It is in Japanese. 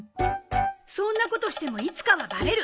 そんなことしてもいつかはバレる。